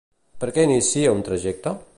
Per què inicia un trajecte?